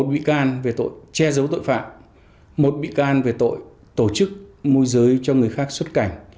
một bị can về tội che giấu tội phạm một bị can về tội tổ chức môi giới cho người khác xuất cảnh